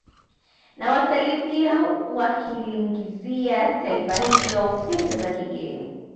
Na watalii pia wakiliingizia taifa hilo pesa za kigeni